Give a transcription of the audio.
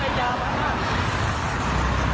มีคลิปก่อนนะครับ